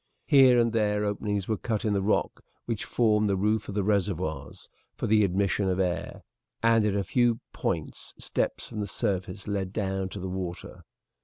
Here and there openings were cut in the rock which formed the roof of the reservoirs, for the admission of air, and at a few points steps from the surface led down to the water.